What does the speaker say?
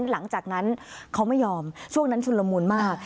หลังจากนั้นเขาไม่ยอมช่วงนั้นชุนละมุนมาก